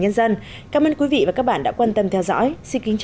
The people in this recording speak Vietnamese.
nhân dân cảm ơn quý vị và các bạn đã quan tâm theo dõi xin kính chào và hẹn gặp lại